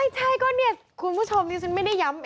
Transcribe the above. ไม่ใช่ก็คุณผู้ชมจริงไม่ได้ย้ำเอง